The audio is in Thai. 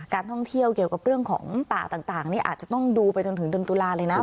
ท่องเที่ยวเกี่ยวกับเรื่องของป่าต่างนี่อาจจะต้องดูไปจนถึงเดือนตุลาเลยนะ